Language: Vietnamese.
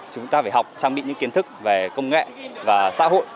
chúng ta phải học trang bị những kiến thức về công nghệ và xã hội